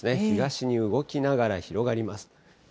東に動きながら広がります。